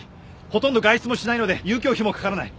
ほとんど外出もしないので遊興費も掛からない。